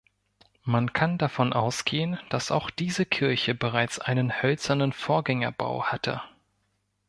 Man kann davon ausgehen, dass auch diese Kirche bereits einen hölzernen Vorgängerbau hatte.